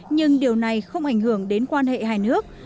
nhưng điều này không ảnh hưởng đến quan hệ hành động